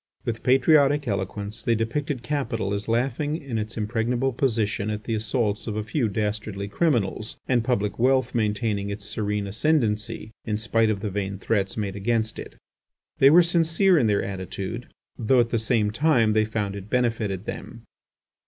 With patriotic eloquence they depicted capital as laughing in its impregnable position at the assaults of a few dastardly criminals, and public wealth maintaining its serene ascendency in spite of the vain threats made against it. They were sincere in their attitude, though at the same time they found it benefited them.